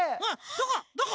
どこ？